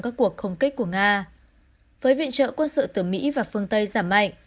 các cuộc không kích của nga với viện trợ quân sự từ mỹ và phương tây giảm mạnh